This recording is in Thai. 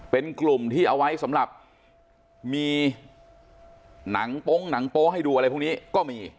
เป็นกลุ่มที่เอาไว้สำหรับมีหนังโป๊งหนังโป๊ให้ดูอะไรพวกนี้ก็มี